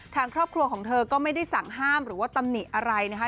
ทางครอบครัวของเธอก็ไม่ได้สั่งห้ามหรือว่าตำหนิอะไรนะคะ